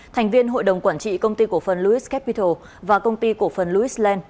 thành viên hội đồng quản trị công ty cổ phần lewis capital và công ty cổ phần lewis land